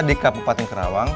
di kabupaten kerawang